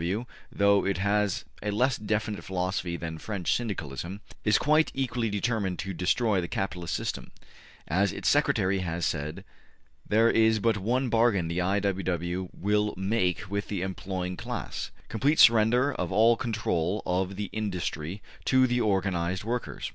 W., though it has a less definite philosophy than French Syndicalism, is quite equally determined to destroy the capitalist system. As its secretary has said: ``There is but one bargain the I. W. W. will make with the employing class complete surrender of all control of industry to the organized workers.''